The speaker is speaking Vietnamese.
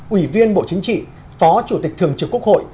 ủy viên bộ chính trị phó chủ tịch thường trực quốc hội